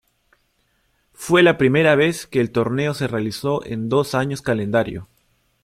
Fue la primera vez que el torneo se realizó en dos años calendario.